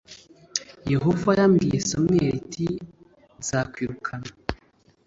Yehova yabwiye Samweli ati nzakwirukana